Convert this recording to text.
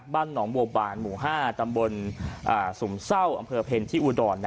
บ้านหนองบวบาลหมู่ห้าจำบลสุมเศร้าอำเภอเพลินที่อูดอน